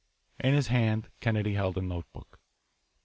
In his hand Kennedy held a notebook.